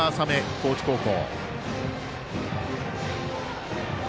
高知高校。